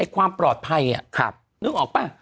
ความปลอดภัยนึกออกป่ะ